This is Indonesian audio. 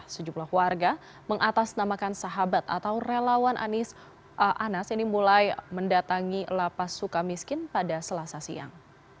sejumlah warga mengatasnamakan sahabat atau relawan anas ini mulai mendatangi lapas suka miskin pada selasa siang